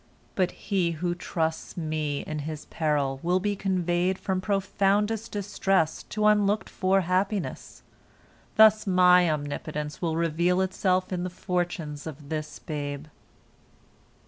But he who trusts Me in his peril will be conveyed from profoundest distress to unlooked for happiness. Thus My omnipotence will reveal itself in the fortunes of this babe.